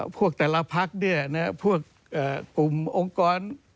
พวกแต่ละพักพวกกลุ่มองค์กร